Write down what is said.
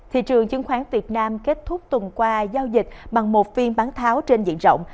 thị trường chứng khoán việt nam kết thúc tuần qua giao dịch bằng một phiên bán tháo trên diện rộng